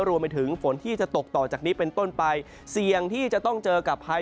รวมไปถึงฝนที่จะตกต่อจากนี้เป็นต้นไปเสี่ยงที่จะต้องเจอกับภัย